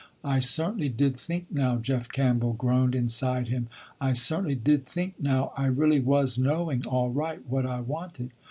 "I certainly did think now," Jeff Campbell groaned inside him, "I certainly did think now I really was knowing all right, what I wanted.